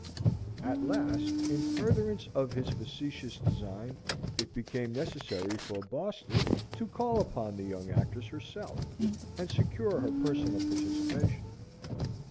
At last, in furtherance of his facetious design, it became necessary for "Boston" to call upon the young actress herself and secure her personal participation.